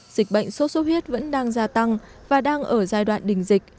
dịch bệnh số số huyết vẫn đang gia tăng và đang ở giai đoạn đình dịch